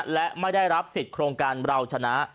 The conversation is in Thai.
และไม่ได้รับสิทธิ์โครงการเราชนะ